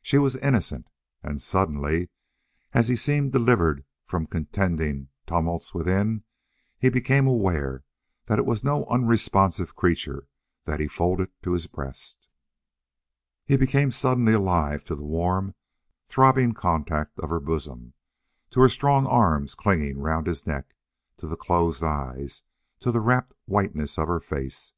She was innocent. And suddenly, as he seemed delivered from contending tumults within, he became aware that it was no unresponsive creature he had folded to his breast. He became suddenly alive to the warm, throbbing contact of her bosom, to her strong arms clinging round his neck, to her closed eyes, to the rapt whiteness of her face.